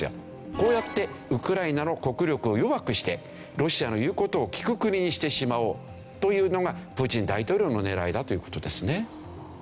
こうやってウクライナの国力を弱くしてロシアの言う事を聞く国にしてしまおうというのがプーチン大統領の狙いだという事ですね。